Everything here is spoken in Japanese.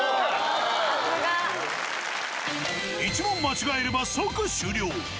１問間違えれば即終了